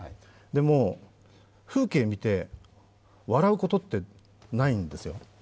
でも風景見て、笑うことってないんですよ。